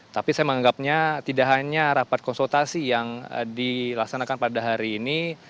tapi saya menganggapnya tidak hanya rapat konsultasi yang dilaksanakan pada hari ini